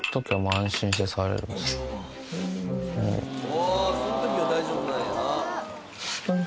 おぉその時は大丈夫なんやな。